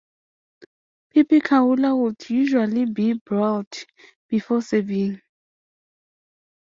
"Pipikaula" would usually be broiled before serving.